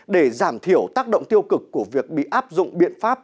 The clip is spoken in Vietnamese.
để giảm thiểu tác động tiêu cực của việc bị áp dụng biện pháp